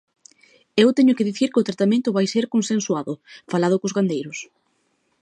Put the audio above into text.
E eu teño que dicir que o tratamento vai ser consensuado, falado cos gandeiros.